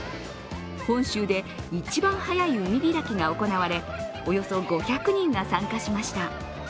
本州で一番早い海開きが行われおよそ５００人が参加しました。